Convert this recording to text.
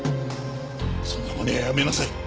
そんなまねはやめなさい。